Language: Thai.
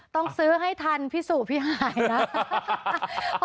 ต้องซื้อให้ทันพี่สู่พี่หายนะ